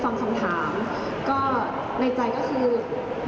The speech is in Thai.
ชื่อสุดท้ายนั้นจะเป็นเราไหม